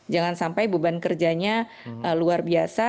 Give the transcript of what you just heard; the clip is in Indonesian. jangan sampai beban kerjanya luar biasa